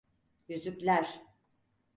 Yüzükler.